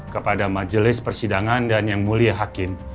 kepada majelis persidangan dan yang mulia hakim